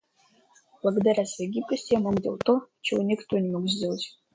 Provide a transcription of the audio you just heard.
Благодаря своей гибкости, я мог делать то, чего никто не мог сделать.